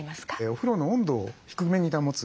お風呂の温度を低めに保つ。